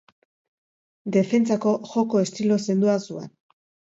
Defentsako joko estilo sendoa zuen.